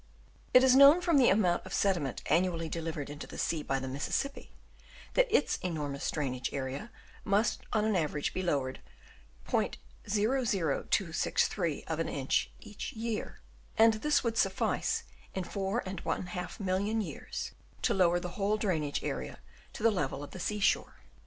It is known from the amount of sediment annually delivered into the sea by the Mississippi, that its enormous drainage area must on an aver age be lowered '00263 of an inch each year ; and this would suffice in four and half million years to lower the whole drainage area to the level of the sea shore.